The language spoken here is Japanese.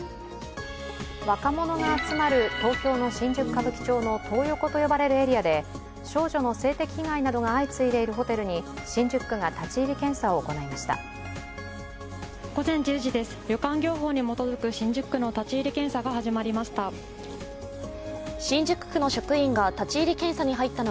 若者が集まる東京の新宿・歌舞伎町のトー横と呼ばれるエリアで少女の性的被害などが相次いでいるホテルに新宿区が立入検査を行いました。